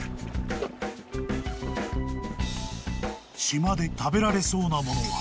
［島で食べられそうな物は］